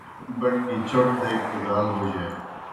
بٹ گیْ چوْٹ دیگہ توْ گال بوجانی۔